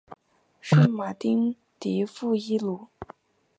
圣马丁迪富伊卢。